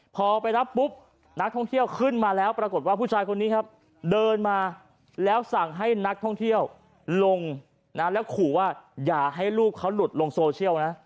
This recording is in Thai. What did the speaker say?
พอไปรับปุ๊บนักท่องเที่ยวขึ้นมาแล้วปรากฏว่าผู้ชายคนนี้ครับเดินมาแล้วสั่งให้นักท่องเที่ยวลงนะแล้วขู่ว่าอย่าให้ลูกเขาหลุดลงโซเชียลนะ